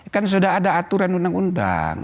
kan sudah ada aturan undang undang